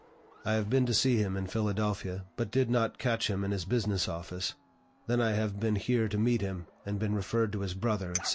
I have been to see him in Philadelphia, but did not catch him in his business office; then I have been here to meet him, and been referred to his brother, etc.